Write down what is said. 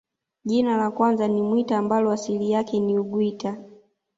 Jina la kwanza ni Mwita ambalo asili yake ni uguita